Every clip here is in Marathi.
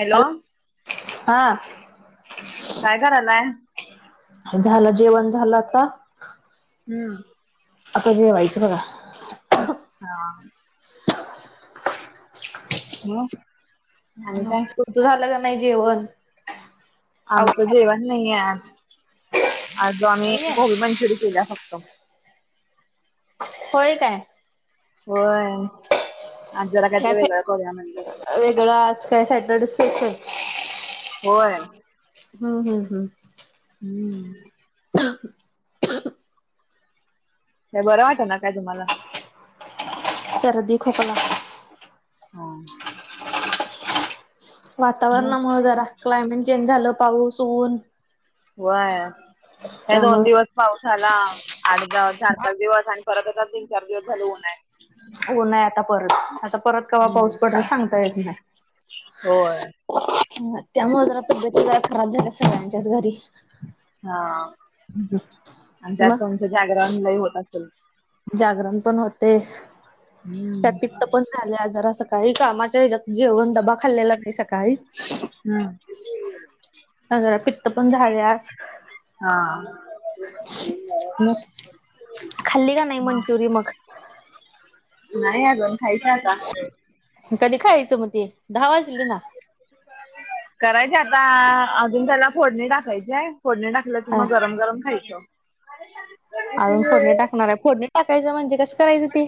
हॅलो हा काय करालाय झालं जेवण झालं आता हम्म आता जे व्हायचं बघा हा हो त तूमच झालं का नाही जेवण अव आमचं जेवण नाहीये आज, आज आम्ही नाहीये गोबी मंचुरीियन केल्या फक्त होय काय होय आज जरा काय कायतरी वेगळा करूया म्हण वेगळं आज काय सॅटरडे स्पेशल होय हम् हम् हम् हम्म हह ह बरं वाटंना काय तुम्हाला सर्दी खोखला ह वातावरणामुळे जरा क्लायमेट चेंज झालं पाऊस ऊन व्हय हे दोन दिवस त्यामुळं पाऊस आला आठ चार पाच दिवस आणि परत आता झाल उन आहे उन आता परत आता परत कव्हा हम्म पाऊस पडल सांगता येत नाही होय त्यामुळे जरा तब्येत जरा खराब झाल्या सगळ्यांच्याच घरी हा. आणि त्यात मग तुमचं जागरण लय होत असेल. जागरण पण होते, त्यात हम्म पित्त पण झाले आज जरासं बरं काही कामाच हेच्यात जेवण डबा खाल्लेला नाही सकाळी. हम्म. हा. जरा पित्त पण झाले आज हा अं खाल्ली का नाही मंचुरी मग? नाही अजून खायच आता कधी, खायचं मग ते दहा वाजली ना करायची आता, अजून त्याला फोडणी टाकायची हाय, फोडणी टाकलं की हा मग गरम गरम खायचं. [inaudible] अजून फोडणी टाकणार हाय, फोडणी टाकायचं म्हणजे कसं करायचं ते?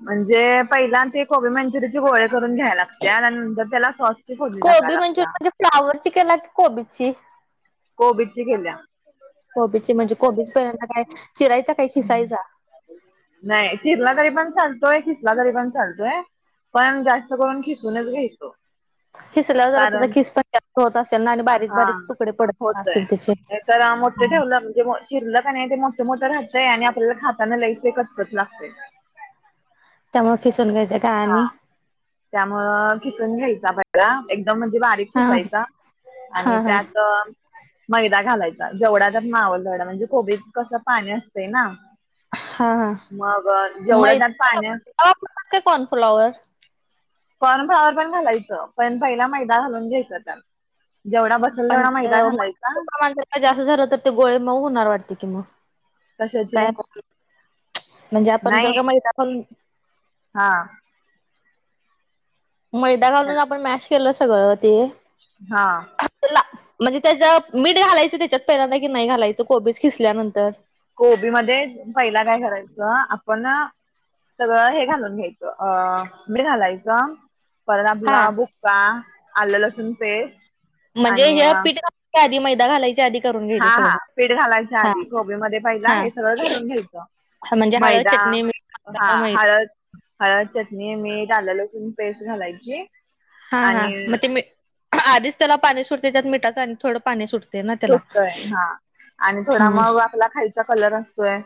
म्हणजे पहिलान ते कोबी मंचुरीचे गोळे करून घ्याय लाग त्यानंतर त्याला स्वस्ती खोली टाकाय कोबी मंचुरी लागत्या. म्हणजे फ्लावरची केला की कोबीची? कोबीजची केल्या. कोबीचे म्हणजे कोबीज पहिल्यांदा काय चिरायचा काय खिसायचा? नाही चिरला तरी पण चालतोय. किसला तरी पण चालतोय. पण जास्त करून खेचूनच घ्यायचं. खिसल्यावर जरा तेचा खिसपण जास्त होत असेल ना आणि बारीक बारीक तुकडे पडतपण असतील त्याचे. हे तर आ मोठे ठेवलं म्हणजे चिरलं का नाही ते मोठं मोठं राहतंय आणि आपल्याला खाताना लईस ते कचकच लागतेय. तवा खिसून घ्यायचा. हा. त्यामुळं खिसुन घ्यायचा सगळा एकदम म्हणजे बारीक हा खिसायचा हा आणि हा त्यात मैदा घालायचा. जेवढा त्यात मावल तेवढा, म्हणजे कोबीत कसं पाणी असतंय ना. हा हा मग, जेवढं त्यात पाण्यात अ [unintelligible] कॉर्नफ्लॉवर? काॅनफ्लॉवर पण घालायचं पण, पहिला मैदा घालून घ्यायच त्या जेवढा बस पण [unintelligible] मैदा घालायचा. मैद्याचं प्रमाण जर जास्त झालं तर ते गोळे मऊ होणार वाटते की मग. काय कशाचे म्हणजे, आपण नाही जर मैदा हा. मैदा घालून आपण मॅश केलं सगळं ते. हा. ला म्हणजे त्याच मीठ घालायचं त्याच्यात पहिल्यांदा की नाही घालायचं कोबीच खिसल्यानंतर, कोबीमध्ये पहिला काय करायचं आपण. सगळं हे घालून घ्यायचं अ मीठ घालायचं. परत हा आपला बुक्का, आलं लसूण पेस्ट म्हणजे, आणि हे पीठ घालायच्या आधी, मैदा घालायचे आधी करून घ्यायचं हा. हा. सगळं पिठ घालायच्या हा आधी कोबीमध्ये पहिला हा हे सगळं घालून घ्यायचं. म्हणजे हळद मैदा चटणी मीठ हा घालताना मै हळद हळद, चटणी, मीठ, आलं, लसूण पेस्ट घालायची. हा. हा. आणि मग ते मीठ आधीच त्याला पाणी सुटते त्यात मिठाचं आणि थोडं पाणी सुटत. सुटतय हा आणि थोडा हा मग वा आपला खायचा कलर असतोय,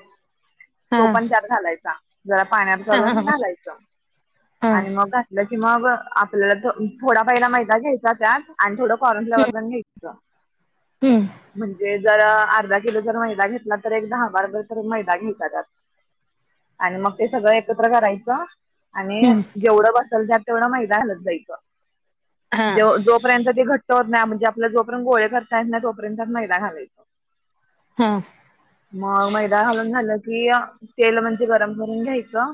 हा. तो पण त्यात घालायचा जरा पाण्या हा हा घालून घालायचा. हा आणि हम्म मग घातलं की मग, आपल्याला थो थोडा पहिला मैदा घ्याय जात्यात आणि थोडं काॅनफ्लॉवर पण घ्यायचं. हम्म. म्हणजे जर अर्धा किलो जर मैदा घेतला, तर एक दहाबार भर तर मैदा घ्यायचा त्यात. आणि मग ते सगळं एकत्र करायचं. आणि हम्म जेवढं बसल त्यात तेवढ मैदा घालत जायच हा जे जो तोपर्यंत ते घट्ट होत नाही म्हणजे आपल्याला जोपर्यंत गोळे करता येत नाही तोपर्यंत त्यात मैदा घालायचं. हा. मग मैदा घालून झालं की, तेल म्हणजे गरम करून घ्यायचं.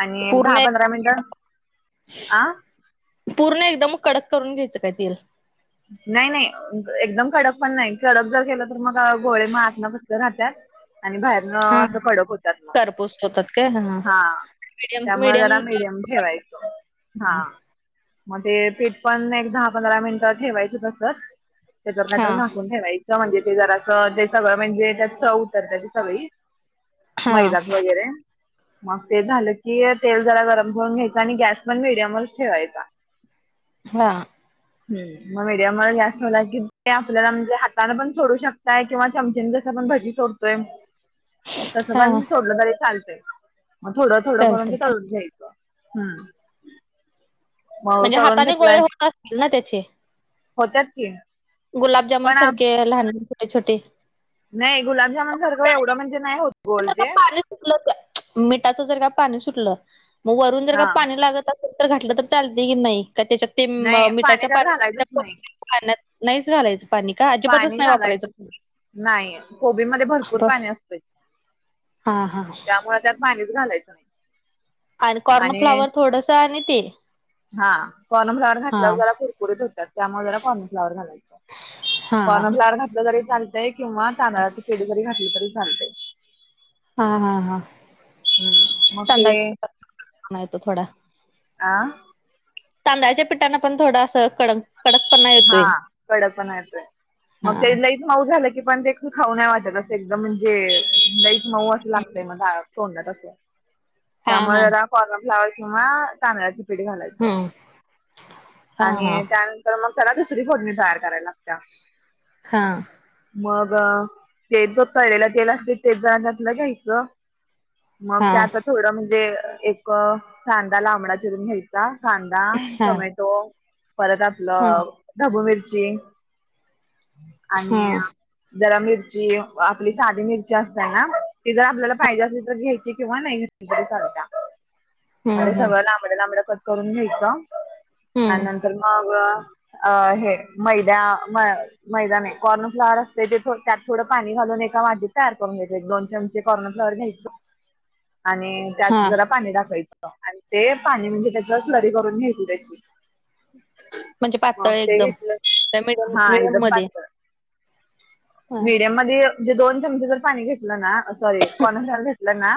आणि एक दहा, पूर्ण पंधरा मिनिट आ. पूर्ण एकदम कडक करून घ्यायचं काय तेल. नाही नाही एकदम कडक पण नाही. कडक जर केलं, तर मग गोळे मग आतनं कच्चे राहतात. आणि बाहेरन हा असं कडक होत्यात मग कारपूस होतात काय हा. त्यामुळे जरा मीडियम ठेवायचं हा. मग ते पीठपण एक दहा पंधरा मिनिटं ठेवायचं तसंच. त्याच्यावर हा काहीतर झाकून ठेवायचं म्हणजे ते जरासं तेे सगळं म्हणजे त्यात चव उतरत्या सगळी. हा मैदात वगैरे मग, ते झालं की तेल जरा गरम करून घ्यायच आणि गॅस पण मीडियमच ठेवायचा. हा. हम्म. मग मीडियमवर गॅस ठेवला की ते आपल्याला म्हणजे हाताने पण सोडू शकताय किंवा चमचेने जसं आपण भजी सोडतोय [unintelligible] तस हा पण थोडलं तरी चालतंय. मग थोडं थोडं करून चालतय ते काय तळून घ्यायचं. हम्म. मग म्हणजे, तळून हाताने घेतलाय गोळे होत असतील ना त्याचे होत्यात की पण गुलाबजामुन आप- सारखे लहान [unintelligible] छोटे. नाही गुलाबजामुन सारखं एवढं म्हणजे नाही होतं. जर का पाणी सुटलं, मिठाच जर का पाणी सुटलं मग वरून जर का हा पाणी लागत असल तर घातलं तर चालते की नाही का त्याच्यात ते नाही मिठाच्या त्यात पाणी घालायचंच नाही [unintelligible] पाण्यात नाहीच घालायचं. पाणी का अजिबातच पाणी नाही घालायच वापरायचं पाणी? नाही कोबी मध्ये भरपूर ब पाणी असतय. हा. हा. त्यामुळे त्यात पाणीच घालायचं नाही. आणि आणि कॉर्नफ्लावर थोडंसं आणि ते. हा कॉर्नफ्लाॅवर हा घातल्यावर जरा कुरकुरीत होतात त्यामुळे जरा कॉर्नफ्लाॉवर घालायचं हा. कॉर्नफ्लॉवर घातलं तरी चालतय किंवा तांदळाच पीठ जरी घातलं तरी चालतंय. हा हा हा. हम्म, मग ते माहित आहे थोडा, आ? तांदळाच्या पिठाने पण थोडं असं कडक कडकपणा ये हा कडकपणा येतोय, हा मग ते लई मऊ झालं की पण ते ख खाऊ नाही वाटत, असं एकदम म्हणजे लई च माऊ असं लागतंय मग. तोंडात असं हा त्यामुळे हा त्याला कॉर्नफ्लावर किंवा तांदळाची पीठ घालायचं हम्म हा हा आणि त्यानंतर मग त्याला दुसरी फोडणी तयार करायला लागत्या. हा. मग ते जो तळेला तेल असते तेच जणातलं घ्यायचं. मग, हा त्या आता थोडं म्हणजे एक कांदा लांबडा चिरून घ्यायच. [unintelligible] कांदा, हा टोमॅटो परत हा आपलं ढबू मिरची हा आणि जरा मिरची आपली साधी मिरची असत्या ना, ती जर आपल्याला पाहिजे असली तर घ्याय हम्म [unintelligible] हम्म सगळं लांब [unintelligible] लांबडं कट करून घ्यायचं हम्म आणि नंतर मग अ हे मैदा म मैदा नाय, कॉर्नफ्लावर असतंय ते त्यात थोडं पाणी घालून एका वाटीत तयार करून घ्यायचं. एक दोन चमचे कॉर्नफ्लॉवर घ्यायचे आणि त्यात हा जरा पाणी टाकायचं आणि ते पाणी म्हणजे त्याच्यावर स्लरी करून घ्यायची त्याची. म्हणजे पातळ मग ते एकदम घेतलं, त्या मिडयम हा मिडयम एकदम मध्ये पाातळ. हा मीडियम मध्ये म्हणजे दोन चमचे जर पाणी घेतलं ना, सॉरी काँफ्लॉवर घेतलं ना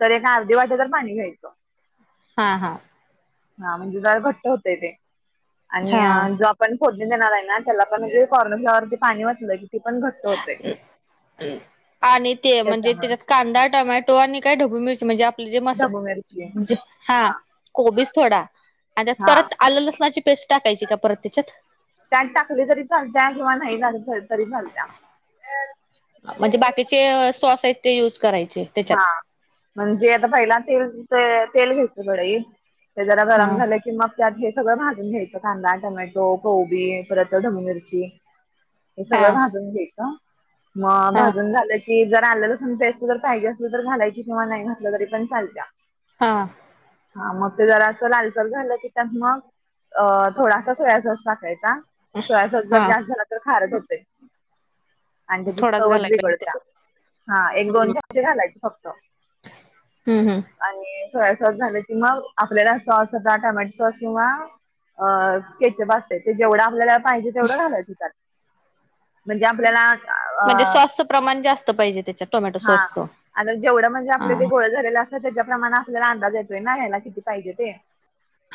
तर एक अर्धी वाटी तर पाणी घ्यायचं. हा हा. हा म्हणजे जरा घट्ट होतंय ते. आणि हा जो आपण फोडणी देणार आहे ना, त्याला पण म्हणजे कॉर्नफ्लाॉवर पाणी ओतलं की ते पण घट्ट होतं. अं अं आणि ते म्हणजे त्याच्यात त्याच्यामुळे कांदा, टोमॅटो आणि काय ढबु मिरची म्हणजे म्हणजे म असं ढबू मिरची हा कोबीच थोडा आणि त्यात हा परत आलं लसणाची पेस्ट टाकायची का परत तेच्यात? त्यात टाकले तरी चालत्या किंवा नाही टाकल्या तरी चालत्या. म्हणजे बाकी चे सॉस आहेत ते यूज करायचे. हा त्याच्यात म्हणजे आता पहिला तेल तेल घ्यायचं कढईत. ते जरा गरम हा झाले की मग त्यात हे सगळं भाजून घ्यायचं. कांदा, टोमॅटो, कोबी परत ढबु मिरची. हे हा सगळं भाजून घ्यायचं, मग हा भाजून झालं की जर आलं लसूण पेस्ट पाहिजे असलं तर घालायची किंवा नाही घातलं तरी पण चालत्या. हा. हा मग ते जरासं लालसर झालं की त्यात मग अ थोडासा सोयासॉस टाकायचा. सोयासॉस जर हा जास्त झाला तर खारट होतंय. आणि त्याची थोडाच चवच घालायला पाहिजे बिघडत्या. त्याच्यात हा एक हम्म दोन चमचे घालायचे फक्त. हम्म हम्म आणि सोयासॉस झालं की मग आपल्याला सॉस होता, टोमॅटो सॉस किंवा अ केचप असतंय, ते जेवढं आपल्याला पाहिजे तेवढं घालायच त्याात. अ म्हणजे सॉसचं प्रमाण जास्त पाहिजे ते. हा आता जेवढं म्हणजे आपले ते गोळे झालेल असतं त्याच्याप्रमाण आपल्याला अंदाज येतोय ना ह्याला किती पाहिजे ते.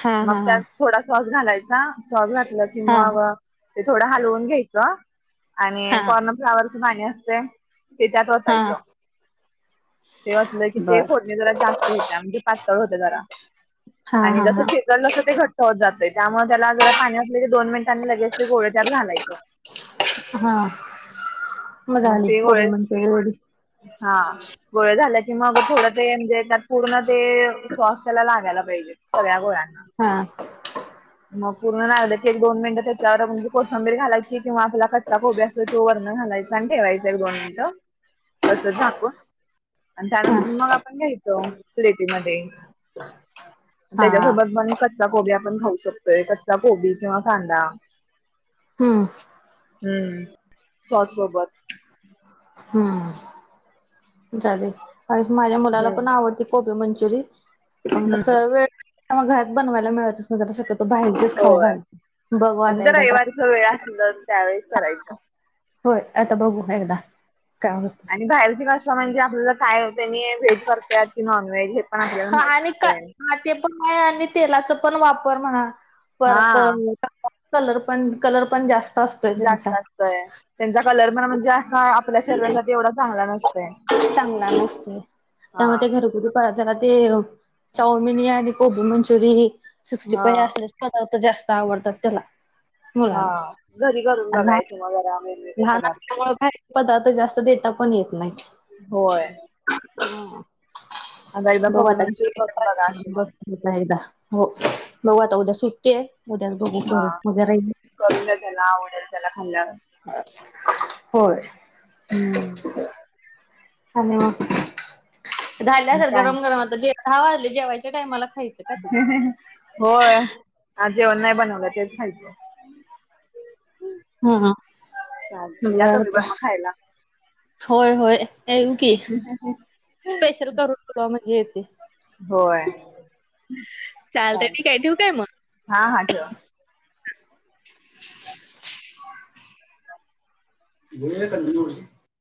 हा मग हा हा त्यात थोडा सॉस घालायचा. सॉस घातलं की हा मग ते थोडं हलवून घ्यायचं हा आणि कॉर्नफ्लावर पाणी असतंय ते त्यात हा ओतायचं. ते वतलं की हा ते फोडणी जरा जास्त होत्या, म्हणजे पातळ होतंय जरा. आणि जसं शिजवलं ते घट्ट होत जातंय, त्यामुळं त्याला जरा पाणी असले की दोन मिनिटांनी लगेच ते गोळे त्यात घालायचं. हा मग झाली, ते गोबी गोळे मांचुरियन [unintelligible] हा गोळा झालं की मग थोडं ते म्हणजे त्यात पूर्ण ते सॉसत् याला लागायला पाहिजे, सगळ्या गोळ्यांना. हा. मग पूर्ण लागलं की एक दोन मिनिट त्यात त्यावर म्हणजे कोथंबीर घालायची किंवा आपला कच्चा कोबी असतोय तो वरनं घालायचा आणि ठेवायचं ऐक दोन मिनटं. तस झाकून आणि हा त्यानंतर मग आपण घ्यायचं प्लेटीमध्ये. हा त्याच्यासोबत पण कच्चा कोबी आपण खाऊ शकतोय कच्चा कोबी किंवा कांदा. हम्म हम्म सॉस सोबत. हम्म ले अ माझ्या मुलाला हम्म पण आवडते. कोबी मंचुरियन पण तस हम्म वेळ घरात बनवायला मिळायचं नाही. बाहेरच होय खाऊल बघ म्हणजे आता जर एकदा ट्राय. रविवारीच वेळ असेल तर त्यावेळेस करायचं. होय आता बघू एकदा काय होत. आणि बाहेरची भाषा म्हणजे आपल्या ज काय त्यांनी व्हेज भरतेात की नॉन व्हेज. हा आणि. पण आहे आणि तेलाचा पण वापर म्हणा परत. हा कलर पण कलर पण जास्त असत. जास्त असतय त्यांचा कलर पण म्हणजे असा आपल्या शरीरासाठी एवढा चांगला नाही. चांगला नसतो हा त्याव ते घरगुती. पररा ते चाऊमिनी आणि कोबी मंचुरी सिक्स्टी हा फाइव असल. पदार्थ जास्त आवडतात त्याला. हा मुलाला घरी घरून बघायचे मग जरा वेगवेगळे पदार्थ. मुळे पदार्थ जास्त देता पण येत नाहीत. होय. आता एकदा बघू कोबी आता [unintelligible] हो मंचुरी करून बघा अशी मग एकदा हो बघू आता उद्या सुटतेय उद्याच बघू हा करून उद्या राहील. करून द्या त्याला आवडेल त्याला खाल्ल्यावर. होय. हम्म. ले मग झाले असेल काय गरम गरम आता जे दहा वाजले झाले जेवायच्या टायमाला खायचं. का ते होय आज जेवन नाय बनवला तेच खायचंय. हा चालतंय या बर तुम्ही पण बर मग खायला. होय होय. ये की स्पेशल करून तुला म्हणजे येते [inaudible] होय [unintelligible] चालत ठीक चालतंय आहे ठेऊ काय मग. हा हा ठेवा. गला कंूनड [inaudible] [unintelligible]